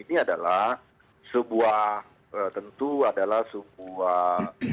ini adalah sebuah tentu adalah sebuah